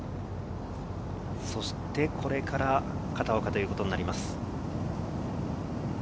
これから片岡ということになります。